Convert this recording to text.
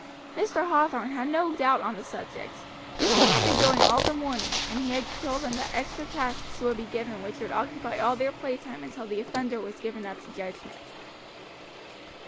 Mr. Hathorn had no doubt on the subject. The cane had been going all the morning, and he had told them that extra tasks would be given which would occupy all their playtime until the offender was given up to judgment.